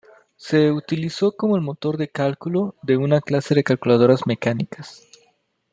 Se utilizó como el motor de cálculo de una clase de calculadoras mecánicas.